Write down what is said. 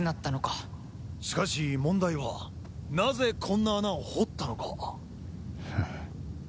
しかし問題はなぜこんな穴を掘ったのか。